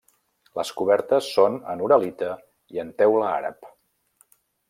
Les cobertes són en uralita i en teula àrab.